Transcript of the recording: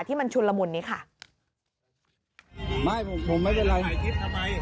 ที่มันชุนละมุนนี้ค่ะไม่ผมผมไม่เป็นไรถ่ายคลิปทำไม